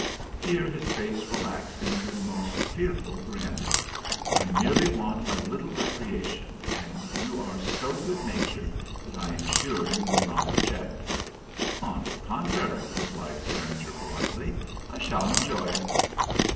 Here his face relaxed into a most fearful grin.... "I merely want a little recreation, and you are so good natured that I am sure you will not object." "On the contrary," replied Carringer politely, "I shall enjoy it."